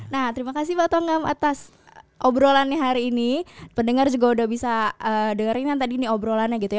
nah terima kasih pak tongam atas obrolannya hari ini pendengar juga udah bisa dengerinan tadi nih obrolannya gitu ya